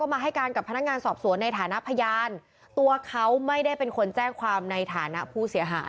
แปลกมันดูมีอะไรแอบลึกหรือเปล่า